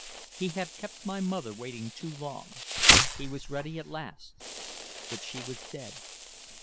He had kept my mother waiting too long, he was ready at last but she was dead.